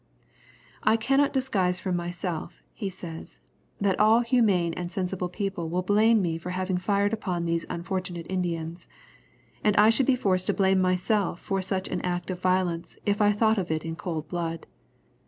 "I cannot disguise from myself," he says, "that all humane and sensible people will blame me for having fired upon these unfortunate Indians, and I should be forced to blame myself for such an act of violence if I thought of it in cold blood.